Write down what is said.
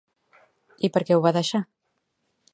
I per què ho va deixar?